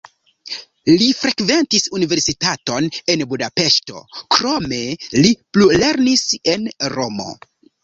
Li frekventis universitaton en Budapeŝto, krome li plulernis en Romo.